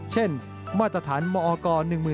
เช่นมาตรฐานมก๑๘๐๐๑